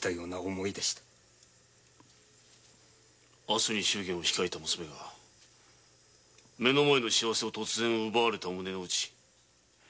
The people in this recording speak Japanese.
明日に祝言を控えた娘が目の前の幸せを突然奪われた胸の内。